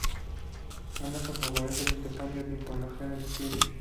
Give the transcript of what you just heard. Amazon favorece el intercambio de información entre clientes.